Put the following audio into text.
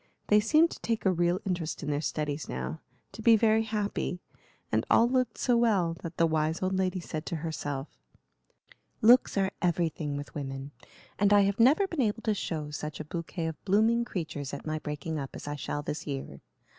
They seemed to take a real interest in their studies now, to be very happy; and all looked so well that the wise old lady said to herself: "Looks are everything with women, and I have never been able to show such a bouquet of blooming creatures at my breaking up as I shall this year.